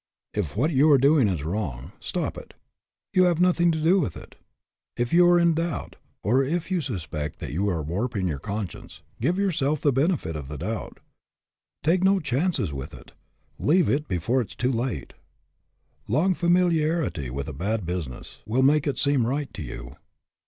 If what you are doing is wrong, stop it. Have nothing to do with it. If you are in doubt, or if you suspect that you are warping your conscience, give yourself the benefit of the doubt. Take no chances with it. Leave it before it is too late. Long familiarity with a bad business will make it seem right to you.